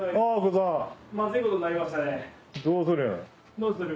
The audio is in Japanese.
どうする？